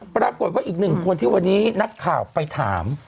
ปรากฏว่าอีกหนึ่งคนที่วันนี้นักข่าวไปถาม